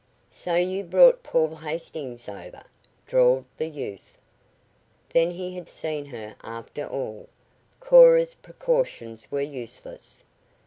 "So you brought Paul Hastings over?" drawled the youth. Then he had seen her, after all. Cora's precautions were useless.